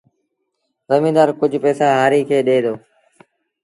زميݩدآر ڪجھ پئيٚسآ هآريٚ کي ڏي دو